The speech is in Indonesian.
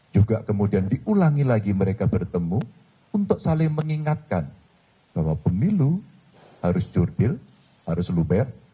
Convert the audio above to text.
juga kemudian diulangi lagi mereka bertemu untuk saling mengingatkan bahwa pemilu harus jurbil harus luber